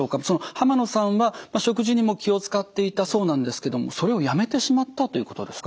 濱野さんは食事にも気を遣っていたそうなんですけどもそれをやめてしまったということですか？